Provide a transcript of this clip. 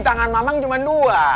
tangan mamang cuma dua